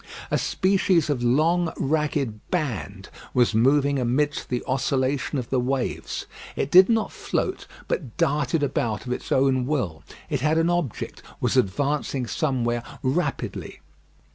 A species of long ragged band was moving amidst the oscillation of the waves. It did not float, but darted about of its own will. It had an object; was advancing somewhere rapidly.